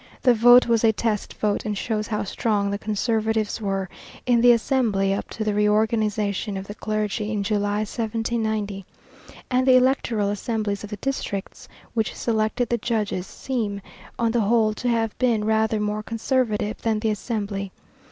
The vote was a test vote and shows how strong the conservatives were in the Assembly up to the reorganization of the Clergy in July, 1790, and the electoral assemblies of the districts, which selected the judges, seem, on the whole, to have been rather more conservative than the Assembly.